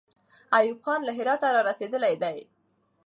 ایوب خان له هراته را رسېدلی دی.